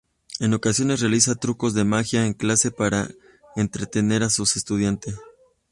En ocasiones realiza trucos de magia en clase para entretener a sus estudiantes.